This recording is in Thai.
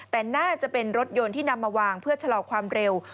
แต่น่าจะเป็นรถยนต์ที่นำมาวางเพื่อชะลอความเร็ว